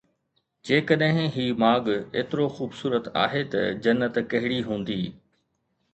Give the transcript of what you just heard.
جيڪڏهن هي ماڳ ايترو خوبصورت آهي ته جنت ڪهڙي هوندي؟